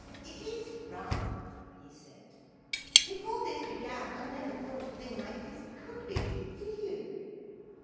'It is rum,' he said; 'before this began I never thought a thing like this could begin, did you?'